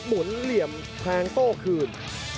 หนเหลี่ยมแทงโต้คืน